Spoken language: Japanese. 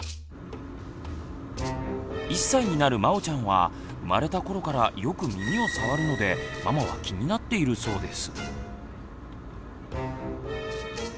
１歳になるまおちゃんは生まれた頃からよく耳を触るのでママは気になっているそうです。